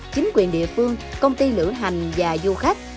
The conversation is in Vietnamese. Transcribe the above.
chính quyền địa phương công ty lửa hành và du khách